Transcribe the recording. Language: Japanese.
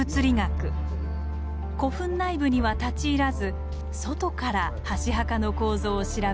古墳内部には立ち入らず外から箸墓の構造を調べます。